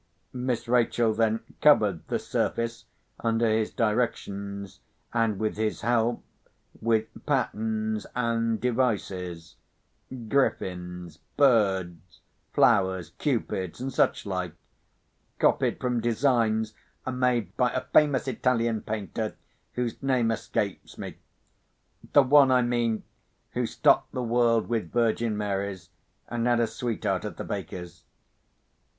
Miss Rachel then covered the surface, under his directions and with his help, with patterns and devices—griffins, birds, flowers, cupids, and such like—copied from designs made by a famous Italian painter, whose name escapes me: the one, I mean, who stocked the world with Virgin Maries, and had a sweetheart at the baker's.